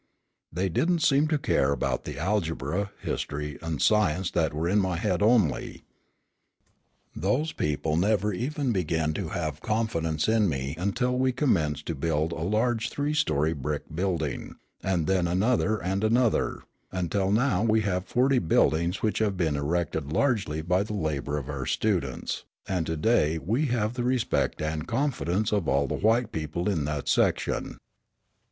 They didn't seem to care about the algebra, history, and science that were in my head only. Those people never even began to have confidence in me until we commenced to build a large three story brick building, and then another and another, until now we have forty buildings which have been erected largely by the labour of our students; and to day we have the respect and confidence of all the white people in that section.